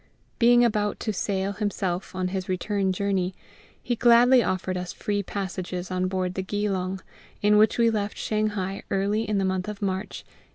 Being about to sail himself on his return journey, he gladly offered us free passages on board the Geelong, in which we left Shanghai early in the month of March 1856.